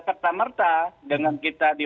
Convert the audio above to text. serta merta dengan kita di